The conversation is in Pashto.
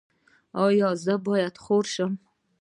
ایا زه باید خور شم؟